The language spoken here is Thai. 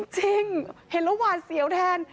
จริงเห็นแล้วหวานเสียวแทน